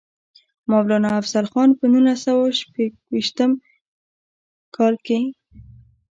مولانا افضل خان پۀ نولس سوه شپږيشتم کال کښې